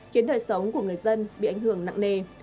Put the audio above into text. khiến đời sống của người dân bị ảnh hưởng nặng nề